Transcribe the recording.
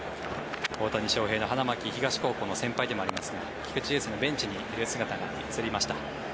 大谷翔平の花巻東高校の先輩でもありますが菊池雄星がベンチにいる姿が映りました。